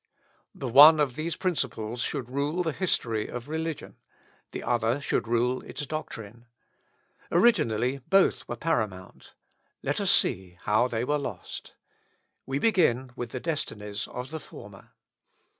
The one of these principles should rule the history of religion, the other should rule its doctrine. Originally, both were paramount; let us see how they were lost. We begin with the destinies of the former.